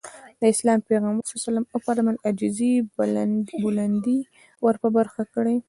د اسلام پيغمبر ص وفرمايل عاجزي بلندي ورپه برخه کړي.